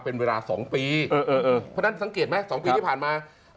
เป็นเวลา๒ปีเพราะฉะนั้นสังเกตไหม๒ปีที่ผ่านมา